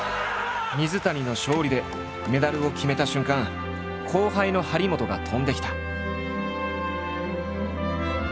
水谷の勝利でメダルを決めた瞬間後輩の張本が飛んできた。